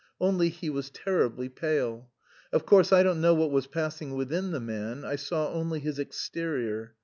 Only he was terribly pale. Of course I don't know what was passing within the man, I saw only his exterior.